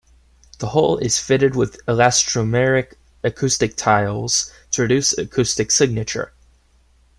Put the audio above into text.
The hull is fitted with elastomeric acoustic tiles to reduce acoustic signature.